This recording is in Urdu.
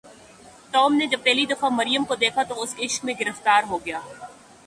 ٹام نے جب پہلی دفعہ مریم کو دیکھا تو وہ اس کے عشق میں گرفتار ہو گیا۔